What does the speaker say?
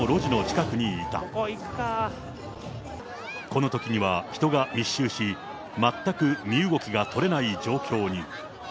このときには人が密集し、全く身動きが取れない状況に。